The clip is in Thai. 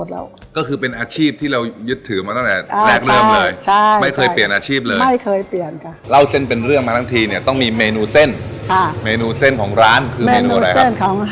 เล่าเส้นเป็นเรื่องมาทั้งทีต้องมีเมนูเส้นของร้านคืออะไรครับ